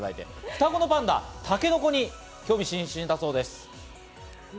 双子のパンダ、タケノコに興味津々だそうです。